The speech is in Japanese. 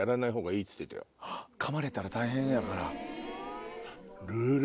かまれたら大変やから。